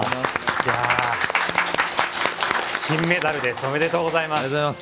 金メダルですおめでとうございます。